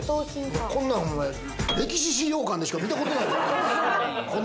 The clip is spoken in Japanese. こんなん歴史資料館でしか見たことない。